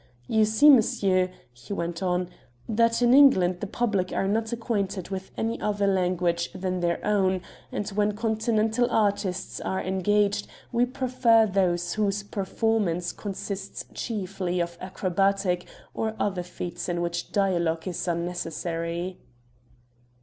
You see, monsieur," he went on, "that in England the public are not acquainted with any other language than their own, and when Continental artists are engaged we prefer those whose performance consists chiefly of acrobatic or other feats in which dialogue is unnecessary."